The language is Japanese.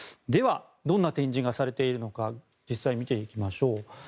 どんな展示がされているのか実際に見ていきましょう。